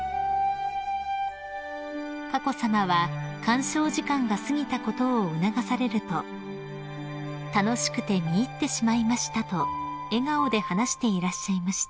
［佳子さまは鑑賞時間が過ぎたことを促されると「楽しくて見入ってしまいました」と笑顔で話していらっしゃいました］